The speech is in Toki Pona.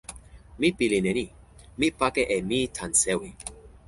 mi pilin e ni: mi pake e mi tan sewi.